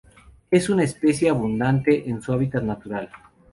Es una especie abundante en su hábitat natural.